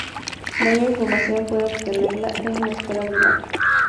Mayor información puede obtenerla en la escuela primaria.